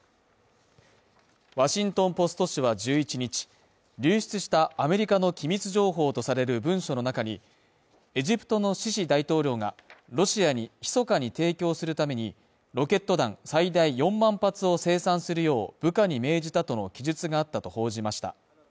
「ワシントン・ポスト」紙は１１日、流出したアメリカの機密情報とされる文書の中に、エジプトのシシ大統領がロシアに密かに提供するために、ロケット弾最大４万発を生産するよう部下に命じたとの記述があったと報じました。